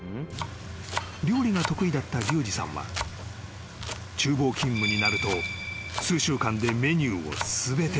［料理が得意だったリュウジさんは厨房勤務になると数週間でメニューを全てマスター］